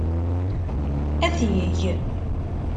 Ad t-yeg.